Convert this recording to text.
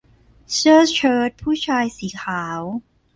เสื้อเชิ้ตผู้ชายสีขาว